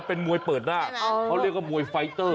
เป็นมวยเปิดหน้ามวยไฟท์เตอร์